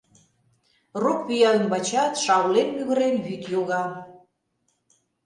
Рок пӱя ӱмбачат, шаулен-мӱгырен, вӱд йога.